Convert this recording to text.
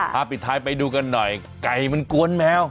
ปิดท้ายไปดูกันหน่อยไก่มันกวนแมว